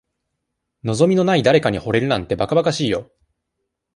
望みのない誰かに惚れるなんて、ばかばかしいよ。